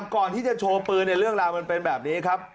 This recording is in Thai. ก่อนที่จะโชว์ปืนเรื่องราวมันเป็นแบบนี้ครับ